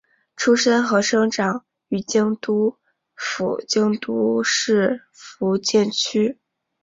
出身和生长于京都府京都市伏见区。